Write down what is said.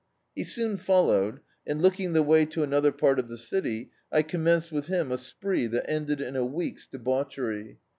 He soon followed, and, leading the way to another part of the city, I commenced with him a spree that ended in a week's debauchery.